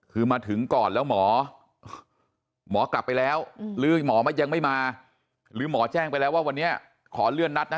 คือมาถึงก่อนแล้วหมอหมอกลับไปแล้วหรือหมอยังไม่มาหรือหมอแจ้งไปแล้วว่าวันนี้ขอเลื่อนนัดนะ